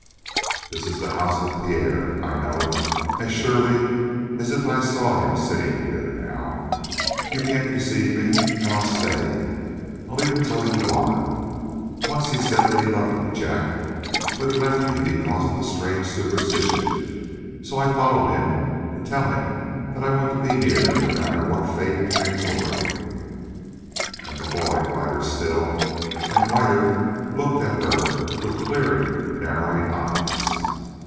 "This is the house of Pierre. I know it as surely as if I saw him sitting here now. You can't deceive me. And I'll stay. I'll even tell you why. Once he said that he loved me, Jack, but he left me because of a strange superstition; and so I've followed to tell him that I want to be near no matter what fate hangs over him." And the boy, whiter still, and whiter, looked at her with clearing, narrowing eyes.